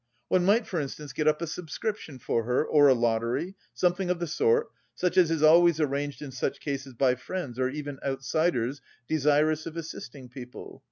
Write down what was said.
One might for instance get up a subscription for her, or a lottery, something of the sort, such as is always arranged in such cases by friends or even outsiders desirous of assisting people.